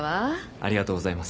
ありがとうございます。